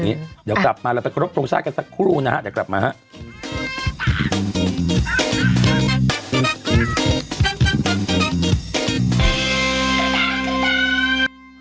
เดี๋ยวกลับมาเราไปครบทรงชาติกันสักครู่นะฮะเดี๋ยวกลับมาครับ